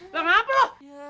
lah ngapain lu